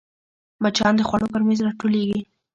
مچان د خوړو پر میز راټولېږي